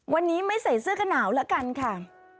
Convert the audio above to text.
วันนี้ไม่ใส่เสื้อกระหนาวละกันค่ะ